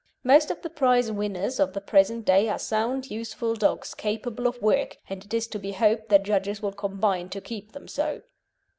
Most of the prize winners of the present day are sound, useful dogs capable of work, and it is to be hoped that judges will combine to keep them so.